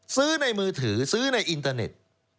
ซื้อในมือถือซื้อในอินเตอร์เน็ต